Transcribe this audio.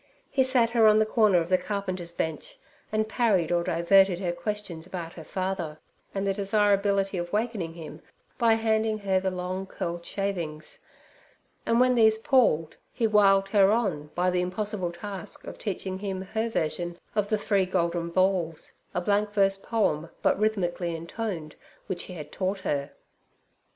He sat her on the corner of the carpenter's bench, and parried or diverted her questions about her father, and the desirability of wakening him by handing her the long curled shavings; and when these palled, he whiled her on by the impossible task of teaching him her version of the 'Three Golden Balls' a blankverse poem, but rhythmically intoned, which he had taught her.